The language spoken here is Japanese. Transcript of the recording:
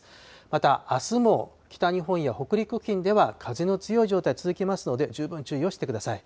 またあすも北日本や北陸付近では風の強い状態続きますので、十分注意をしてください。